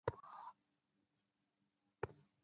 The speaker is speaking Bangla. তবে অনেক দেরি হয়ে গেছে।